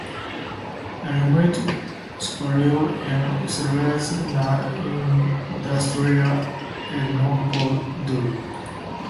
Ele é muito superior em civilização, na indústria e no poder.